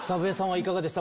いかがでした？